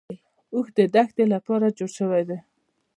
اوښ د دښتې لپاره جوړ شوی دی